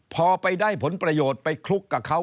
พอไปได้ผลประโยชน์ไปคลุกกับเขา